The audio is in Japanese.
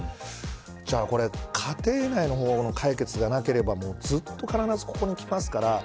じゃあ、これって家庭内の方の解決がなければずっと必ず、ここに来ますから。